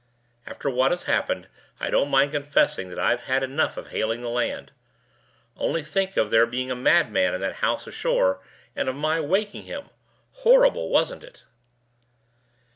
"After what has happened, I don't mind confessing that I've had enough of hailing the land. Only think of there being a madman in that house ashore, and of my waking him! Horrible, wasn't it?"